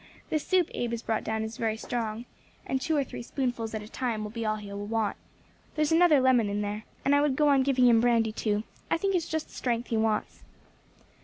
This soup Abe has brought down is very strong, and two or three spoonfuls at a time will be all he will want; there is another lemon in there, and I would go on giving him brandy too; I think it's just strength he wants."